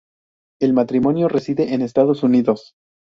El matrimonio reside en Estados Unidos.